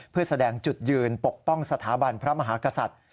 เพื่อแสดงจุดยืนปกป้องสถาบันพระมหากษัตริย์